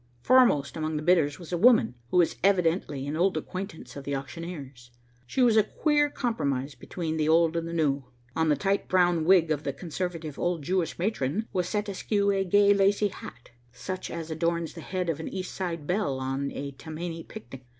Foremost among the bidders was a woman who was evidently an old acquaintance of the auctioneer's. She was a queer compromise between the old and the new. On the tight brown wig of the conservative old Jewish matron was set askew a gay lacy hat, such as adorns the head of an East Side belle on a Tammany picnic.